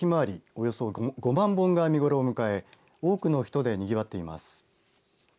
およそ５万本が見頃を迎え多くの人でにぎわっています。